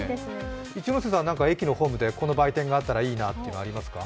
一ノ瀬さん、駅のホームでこの売店があったらいいなというのはありますか？